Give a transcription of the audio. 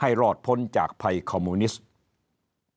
ให้รอดพ้นจากภัยคอมมิวนิสต์ให้รอดพ้นจากภัยคอมมิวนิสต์